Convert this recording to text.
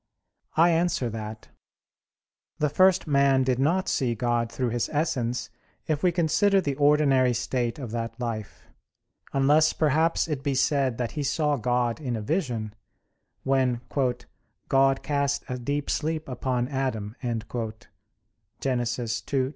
I answer that, The first man did not see God through His Essence if we consider the ordinary state of that life; unless, perhaps, it be said that he saw God in a vision, when "God cast a deep sleep upon Adam" (Gen. 2:21).